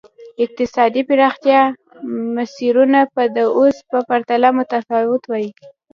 اقتصادي پراختیا مسیرونه به د اوس په پرتله متفاوت وای.